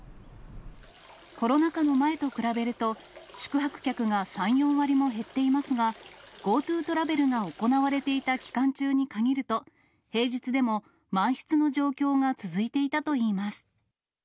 コロナ禍の前と比べると、宿泊客が３、４割も減っていますが、ＧｏＴｏトラベルが行われていた期間中に限ると、平日でも満室の状況が続いていたといいます。